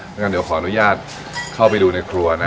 งั้นเดี๋ยวขออนุญาตเข้าไปดูในครัวนะ